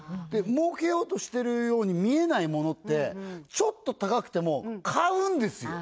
儲けようとしてるように見えないものってちょっと高くても買うんですよ